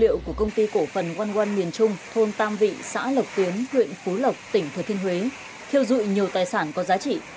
tài liệu của công ty cổ phần wanwan miền trung thôn tam vị xã lộc tiến huyện phú lộc tỉnh thừa thiên huế thiêu dụi nhiều tài sản có giá trị